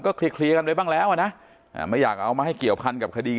เคลียร์กันไปบ้างแล้วอ่ะนะไม่อยากเอามาให้เกี่ยวพันกับคดี